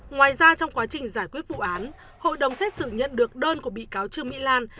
ngoài ra trong quá trình giải quyết vụ án hội đồng xét xử nhận được đơn của bị cáo trương mỹ lan